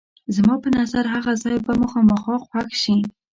زما په نظر هغه ځای به مو خامخا خوښ شي.